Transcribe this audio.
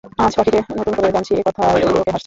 আজ পাখিকে নতুন করে জানছি এ কথায় লোকে হাসছে।